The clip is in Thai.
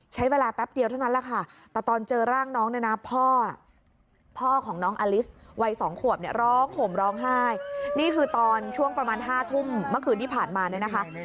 ใช้เวลาแป๊บเดียวเท่านั้นแหละค่ะ